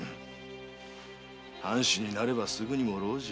藩主になればすぐにも老中。